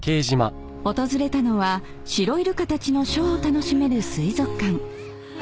［訪れたのはシロイルカたちのショーを楽しめる水族館］